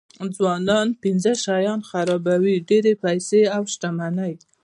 ځوانان پنځه شیان خرابوي ډېرې پیسې او شتمني.